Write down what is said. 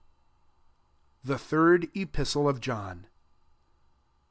THE SECOND EPISTLE OF JOHN.